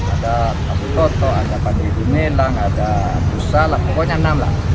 ada abu toto ada panji gumilang ada abdussalam pokoknya enam lah